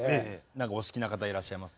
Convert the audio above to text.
何かお好きな方いらっしゃいます？